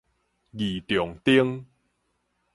義重町